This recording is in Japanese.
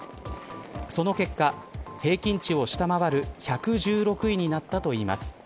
その結果、平均値を下回る１１６位になったといいます。